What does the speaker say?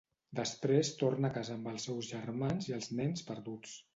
Després torna a casa amb els seus germans i els Nens Perduts.